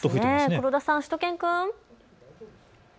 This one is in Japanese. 黒田さん、しゅと犬くん。